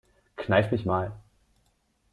Kneif mich mal.